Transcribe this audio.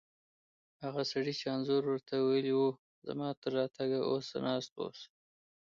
هغه سړی چې انځور ور ته ویلي وو، زما تر راتګه اوسه ناست و.